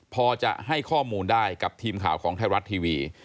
พอจะให้ข้อมูลได้กับทีมข่าวของไทยรัฐทีวี